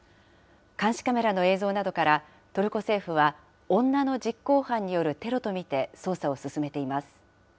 監視カメラの映像などから、トルコ政府は女の実行犯によるテロと見て捜査を進めています。